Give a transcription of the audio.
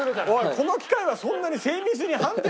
この機械はそんなに精密に判定できるの？